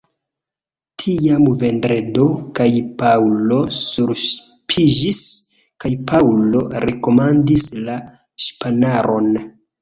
Tiam Vendredo kaj Paŭlo surŝipiĝis, kaj Paŭlo rekomandis la ŝipanaron.